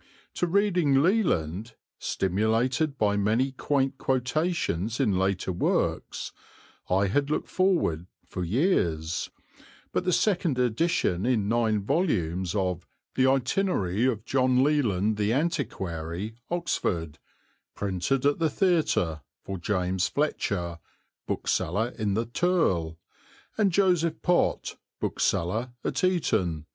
To reading Leland, stimulated by many quaint quotations in later works, I had looked forward for years, but the second edition in nine volumes of "The Itinerary of John Leland the Antiquary, Oxford; Printed at the Theatre, for James Fletcher, Bookseller in the Turl, and Joseph Pott, Bookseller at Eton.